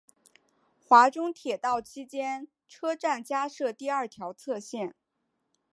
华中铁道期间车站加设第二条侧线。